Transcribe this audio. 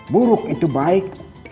buruk itu baik